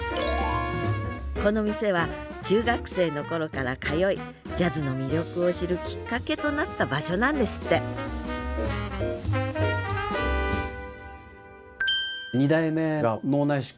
この店は中学生の頃から通いジャズの魅力を知るきっかけとなった場所なんですってあら。